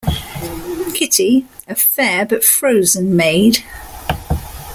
Kitty, a fair but frozen maid.